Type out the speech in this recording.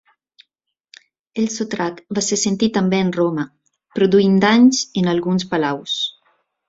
El sotrac va ser sentit també en Roma, produint danys en alguns palaus.